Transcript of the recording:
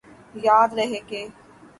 یاد رہے کہ